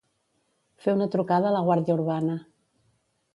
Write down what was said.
Fer una trucada a la Guàrdia Urbana.